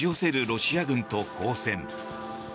ロシア軍と交戦。